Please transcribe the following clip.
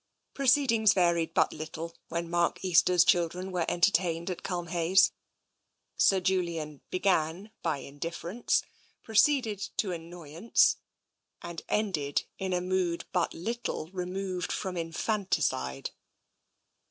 Proceedings varied but little when Mark Easter's children were entertained at Culmhayes. Sir Julian began by indifference, proceeded to annoyance, and 268 TENSION ended in a mood but little removed from infanticide.